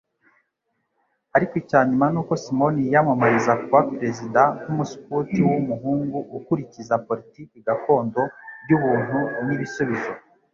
Ariko icyanyuma nuko Simon yiyamamariza kuba perezida nkumuskuti wumuhungu ukurikiza politiki gakondo yubuntu nibisubizo